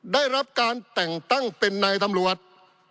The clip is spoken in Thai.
ได้รับการแต่งตั้งเป็นนายธรรมวรรดิ